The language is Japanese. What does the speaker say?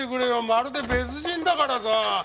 まるで別人だからさあ。